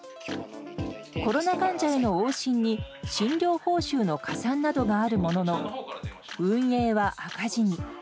コロナ患者への往診に診療報酬の加算などがあるものの、運営は赤字に。